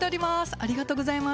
ありがとうございます